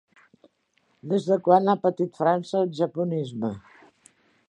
Des de quan ha patit França el japonisme?